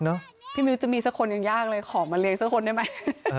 พี่มิ้วจะมีสักคนยังยากเลยขอมาเลี้ยสักคนได้ไหม